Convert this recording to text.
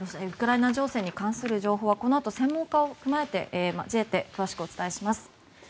ウクライナ情勢に関する情報はこのあと専門家を交えて詳しくお伝えします。